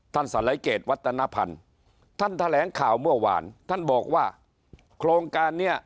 ท่านศาลัยเกตวัฏนะพันธุ์ท่านแถลงข่าวเมื่อวานท่านบอกว่าโครงการเนี้ย